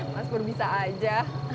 mas pur bisa aja